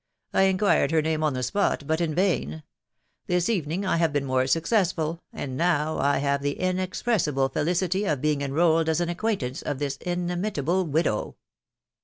I inquired her name on the spot, but in vain. This evening I have been more successful, and now I have the inexpressible felicity of being enrolled as an acquaintance of this inimitable widow."